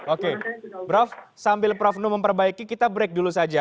oke prof sambil prof nu memperbaiki kita break dulu saja